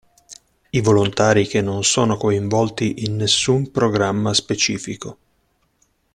I volontari che non sono coinvolti in nessun programma specifico.